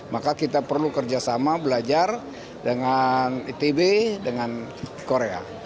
maka kita perlu kerjasama belajar dengan itb dengan korea